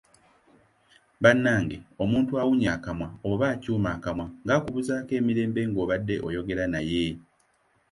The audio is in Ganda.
Bannange omuntu awunnya akamwa oba acuuma akamwa nga okubuuzaako emirembe ng'obade oyogera naye!